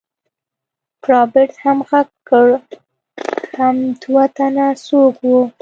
رابرټ هم غږ کړ حم دوه تنه څوک وو.